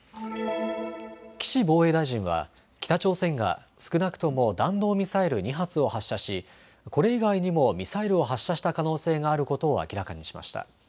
岸防衛大臣は北朝鮮が少なくとも弾道ミサイル２発を発射しこれ以外にもミサイルを発射した可能性があることを明らかにしました。